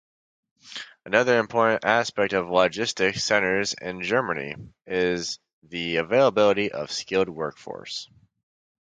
Another important aspect of logistics centers in Germany is the availability of skilled workforce.